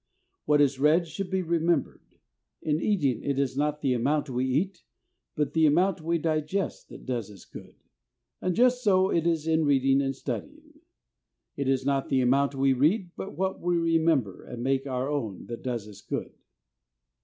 What is read should be remembered. In eating it is not the amount we eat, but the amount we digest that does us good, and just so is it in reading and studying. It is not the amount we read, but what we remember and make our own that does us good.